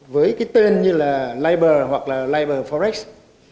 với cái tên như là liber hoặc là liberforest